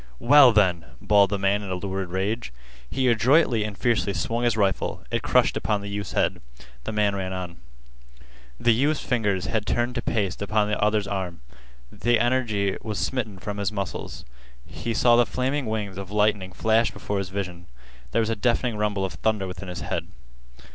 "Well, then!" bawled the man in a lurid rage. He adroitly and fiercely swung his rifle. It crushed upon the youth's head. The man ran on. The youth's fingers had turned to paste upon the other's arm. The energy was smitten from his muscles. He saw the flaming wings of lightning flash before his vision. There was a deafening rumble of thunder within his head.